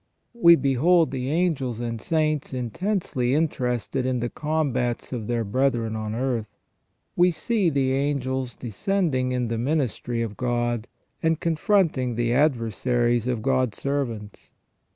We behold the angels and saints intensely interested in the combats of their brethren on earth. We see the angels descending in the ministry of God, and confronting the adversaries of God's servants.